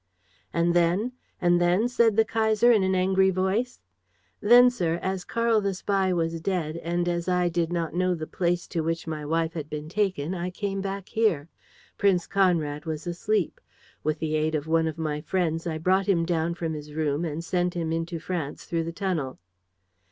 "And then? And then?" said the Kaiser, in an angry voice. "Then, sir, as Karl the spy was dead and as I did not know the place to which my wife had been taken, I came back here. Prince Conrad was asleep. With the aid of one of my friends, I brought him down from his room and sent him into France through the tunnel."